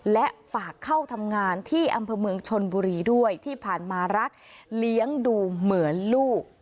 และฝากเข้าทำงานที่อำเภอเมืองชนบุรีด้วยที่ผ่านมารักเลี้ยงดูเหมือนลูก